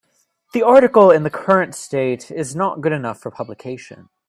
The article in the current state is not good enough for publication.